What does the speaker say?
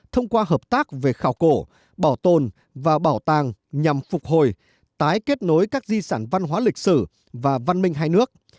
thông qua hợp tác về khảo cổ bảo tồn và bảo tàng nhằm phục hồi tái kết nối các di sản văn hóa lịch sử và văn minh hai nước